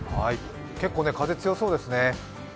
結構風が強そうですね。